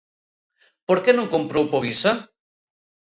¿Por que non comprou Povisa?